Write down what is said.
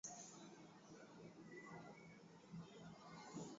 Kitabu hiki ni fursa muhimu kwani watu watajua ukweli wa halisi ya nchi yao